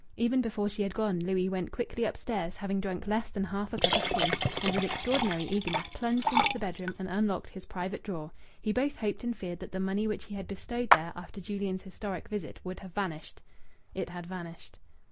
Even before she had gone Louis went quickly upstairs, having drunk less than half a cup of tea, and with extraordinary eagerness plunged into the bedroom and unlocked his private drawer. He both hoped and feared that the money which he had bestowed there after Julian's historic visit would have vanished. It had vanished.